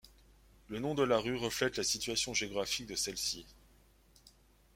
Le nom de la rue reflète la situation géographique de celle-ci.